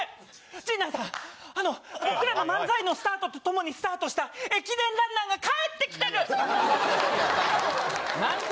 陣内さん、あの、僕らの漫才のスタートと共にスタートした駅伝ランナーが帰ってきなんて？